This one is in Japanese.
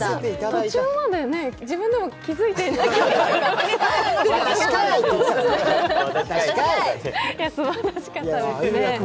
途中まで、自分でも気づいてすばらしかったですね。